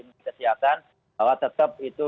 menteri kesehatan bahwa tetap itu